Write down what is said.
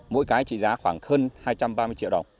mỗi cái trị giá khoảng hơn hai trăm ba mươi triệu đồng